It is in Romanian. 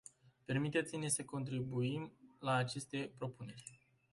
Permiteți-ne să contribuim la aceste propuneri.